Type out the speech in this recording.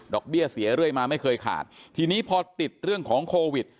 เบี้ยเสียเรื่อยมาไม่เคยขาดทีนี้พอติดเรื่องของโควิด